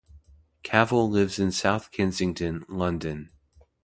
Cavill lives in South Kensington, London.